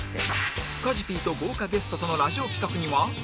加地 Ｐ と豪華ゲストとのラジオ企画には